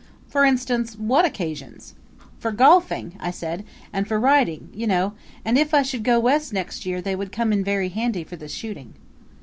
"For instance, what occasions?" "For golfing," I said, "and for riding, you know. And if I should go West next year they would come in very handy for the shooting."